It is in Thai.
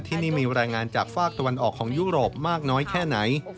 ที่นี่มีรายงานจากฝากตะวันออกของยุโรปมากน้อยแค่ไหน